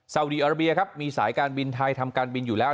สาวดีอาราเบียครับมีสายการบินไทยทำการบินอยู่แล้ว